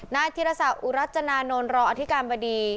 นาทีรศาสตร์อุรัชนานนท์รออธิการบดี